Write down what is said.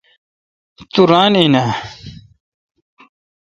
تو ران این۔ اؘ